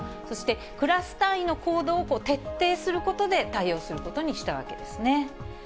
そしてクラス単位の行動を徹底することで対応することにしたわけですね。